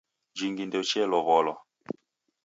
Jingi ndeuchelow'olwa!